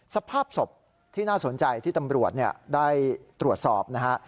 สภาพศพที่น่าสนใจที่ตำรวจได้ตรวจสอบนะฮะ